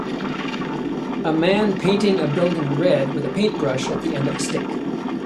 A man painting a building red with a paintbrush at the end of a stick